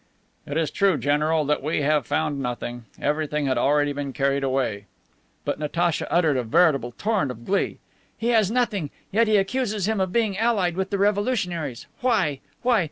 "It is true, General, that we have found nothing. Everything had already been carried away." But Natacha uttered a veritable torrent of glee: "He has found nothing! Yet he accuses him of being allied with the revolutionaries. Why? Why?